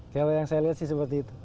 kalau yang saya lihat sih seperti itu